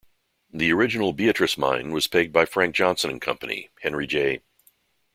The original Beatrice Mine was pegged by Frank Johnson and Company, Henry J.